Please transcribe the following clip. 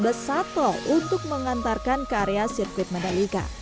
km kelut juga mendapatkan fasilitas besar tol untuk mengantarkan ke area sirkuit medallica